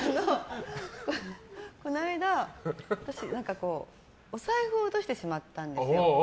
この間、私お財布を落としてしまったんですよ。